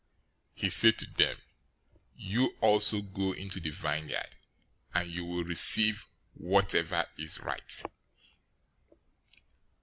"He said to them, 'You also go into the vineyard, and you will receive whatever is right.'